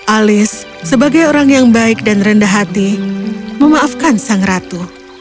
alice sebagai orang yang baik dan rendah hati memaafkan sang ratu